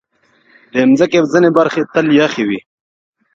د مځکې ځینې برخې تل یخې وي.